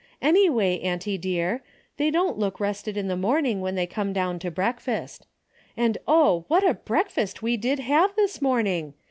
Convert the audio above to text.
Anyway, auntie dear, they don't look rested in the morning when they come down to breakfast. And oh, what a breakfast we did have this morning